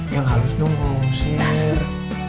ya gak harus dong ngusir